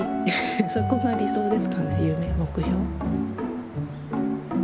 そこが理想ですかね夢目標。